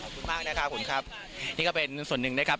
ขอบคุณมากนะครับผมครับนี่ก็เป็นส่วนหนึ่งนะครับ